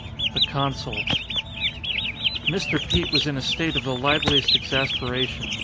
113 XXX THE CONSUL MR. PETE was in a state of the liveliest exasperation.